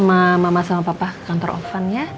ma mau banget